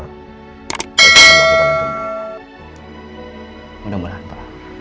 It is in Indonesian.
akan melakukan yang benar